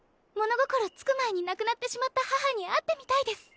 心付く前に亡くなってしまった母に会ってみたいです。